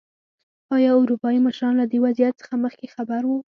ایا اروپايي مشران له دې وضعیت څخه مخکې خبر وو.